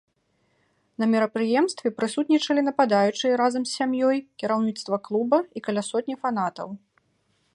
На мерапрыемстве прысутнічалі нападаючы разам з сям'ёй, кіраўніцтва клуба і каля сотні фанатаў.